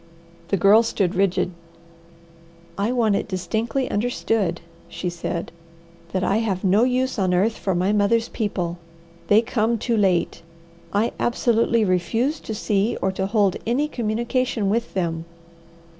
The Girl stood rigid. "I want it distinctly understood," she said, "that I have no use on earth for my mother's people. They come too late. I absolutely refuse to see or to hold any communication with them."